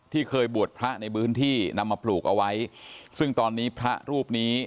เคยบวชพระในพื้นที่นำมาปลูกเอาไว้ซึ่งตอนนี้พระรูปนี้